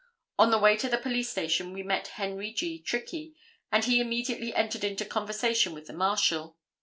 On the way to the police station we met Henry G. Trickey, and he immediately entered into conversation with the Marshal.